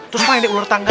terus mainnya ular tangga